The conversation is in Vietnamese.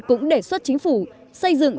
cũng đề xuất chính phủ xây dựng